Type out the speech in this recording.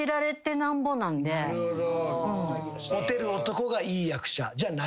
モテる男がいい役者じゃない。